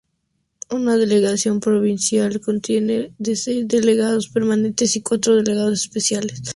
Una delegación provincial contiene de seis delegados permanentes y cuatro delegados especiales.